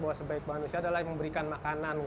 bahwa sebaik manusia adalah memberikan makanan